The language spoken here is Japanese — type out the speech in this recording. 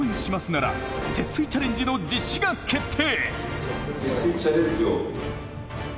なら節水チャレンジの実施が決定。